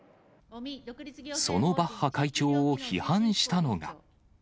そのバッハ会長を批判したのが。